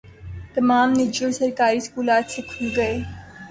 تمام نجی اور سرکاری اسکول آج سے کھل گئے